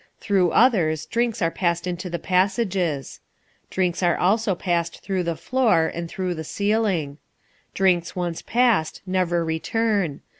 Through others drinks are passed into the passages. Drinks are also passed through the floor and through the ceiling. Drinks once passed never return.